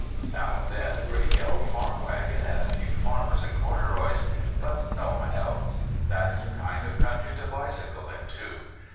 Now and then a great yellow farm wagon and a few farmers in corduroys—but no one else. That is the kind of country to bicycle into.